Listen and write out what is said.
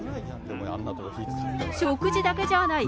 食事だけじゃない。